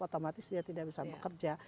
otomatis dia tidak bisa bekerja